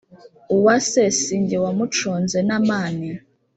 Uwase sinjye wamuconze n’amani